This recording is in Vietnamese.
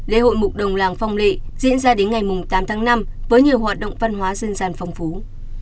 lễ hội mục đồng làng phong lệ diễn ra đến ngày tám tháng năm với nhiều hoạt động văn hóa dân gian phong phú